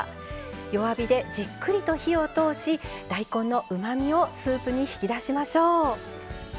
弱火でじっくりと火を通し大根のうまみをスープに引き出しましょう。